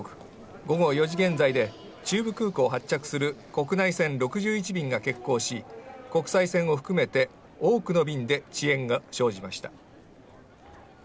午後４時現在で、中部空港を発着する国内線６１便が欠航し国際線を含めて多くの便で遅延が生じました。